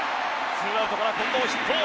ツーアウトから近藤ヒット。